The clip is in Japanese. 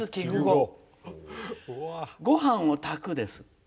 ごはんを炊くです。